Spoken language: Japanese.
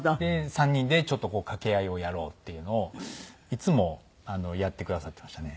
３人でちょっと掛け合いをやろうっていうのをいつもやってくださってましたね